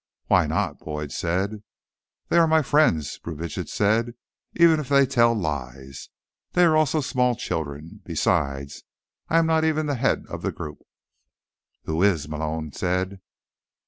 "Why not?" Boyd said. "They are my friends," Brubitsch said. "Even if they tell lies. They are also small children. Besides, I am not even the head of the group." "Who is?" Malone said.